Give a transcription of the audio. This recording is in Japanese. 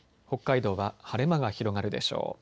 北海道は晴れ間が広がるでしょう。